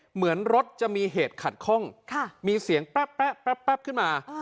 เหมือนรถจะมีเหตุขัดข้องค่ะมีเสียงปั้๊ปปั้๊ปปั้๊ปปั้๊ปขึ้นมา